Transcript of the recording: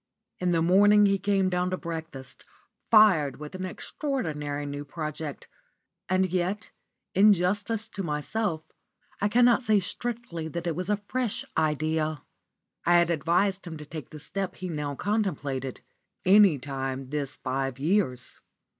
In the morning he came down to breakfast, fired with an extraordinary new project. And yet, in justice to myself, I cannot say strictly that it was a fresh idea. I had advised him to take the step he now contemplated any time this five years.